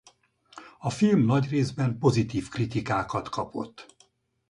A film nagy részben pozitív kritikákat kapott.